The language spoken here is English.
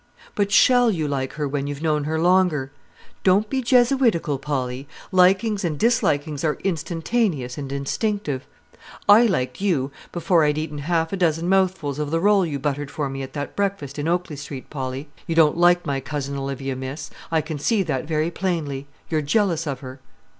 "But shall you like her when you've known her longer? Don't be jesuitical, Polly. Likings and dislikings are instantaneous and instinctive. I liked you before I'd eaten half a dozen mouthfuls of the roll you buttered for me at that breakfast in Oakley Street, Polly. You don't like my cousin Olivia, miss; I can see that very plainly. You're jealous of her."